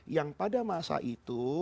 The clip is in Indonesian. yang pada masa itu